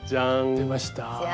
出ました。